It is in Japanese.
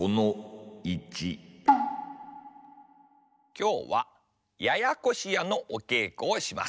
きょうはややこしやのおけいこをします。